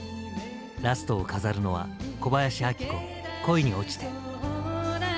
ラストを飾るのは小林明子「恋におちて」。